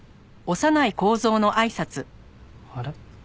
あれ？